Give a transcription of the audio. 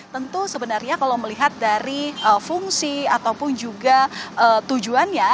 tentu sebenarnya kalau melihat dari fungsi ataupun juga tujuannya